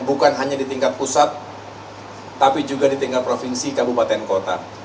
bukan hanya di tingkat pusat tapi juga di tingkat provinsi kabupaten kota